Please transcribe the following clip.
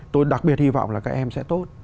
tôi đặc biệt hy vọng là các em sẽ tốt